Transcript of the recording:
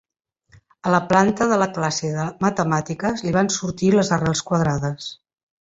A la planta de la classe de matemàtiques li van sortir les arrels quadrades.